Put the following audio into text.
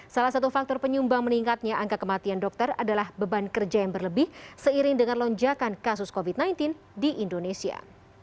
salah satu faktor penyumbang meningkatnya angka kematian dokter adalah beban kerja yang berlebih seiring dengan lonjakan kasus covid sembilan belas di indonesia